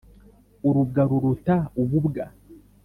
urubwa ruruta ububwa.